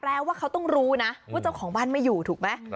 แปลว่าเขาต้องรู้นะว่าเจ้าของบ้านไม่อยู่ถูกไหม